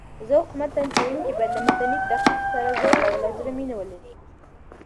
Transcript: ذوق متن څېړونکی باید له متني تحقيق سره ذوق او له زړه مينه ولري.